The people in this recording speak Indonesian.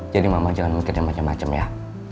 jadi mama jangan mikirin macem macem ya